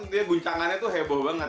kayaknya guncangannya tuh heboh banget